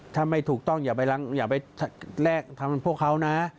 ถ้าไม่ถูกต้องอย่าไปแรกพวกเขานะ